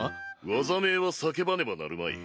技名は叫ばねばなるまい。